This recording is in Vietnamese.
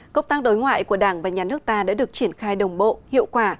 cốc tăng đối ngoại của đảng và nhà nước ta đã được triển khai đồng bộ hiệu quả